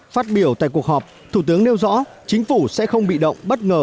phát biểu tại cuộc họp thủ tướng nêu rõ chính phủ sẽ không bị động bất ngờ